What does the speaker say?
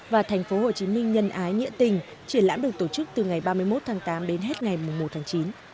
và tp hcm nhân ái nhịa tình triển lãm được tổ chức từ ngày ba mươi một tháng tám đến hết ngày một tháng chín